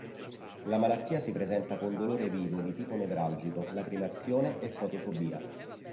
La malattia si presenta con dolore vivo di tipo nevralgico, lacrimazione e fotofobia.